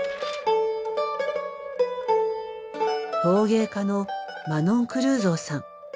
陶芸家のマノン・クルーゾーさん。